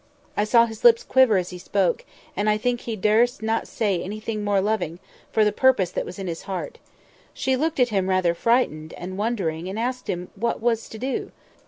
I saw his lips quiver as he spoke; and I think he durst not say anything more loving, for the purpose that was in his heart. She looked at him rather frightened, and wondering, and asked him what was to do.